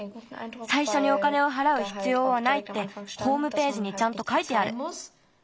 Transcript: さいしょにお金をはらうひつようはないってホームページにちゃんとかいてある。